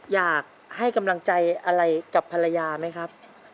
อยากให้กำลังใจอะไรกับภรรยาไหมครับ